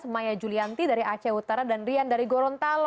maya julianti dari aceh utara dan rian dari gorontalo